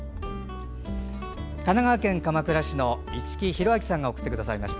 神奈川県鎌倉市の市来広昭さんが送ってくださいました。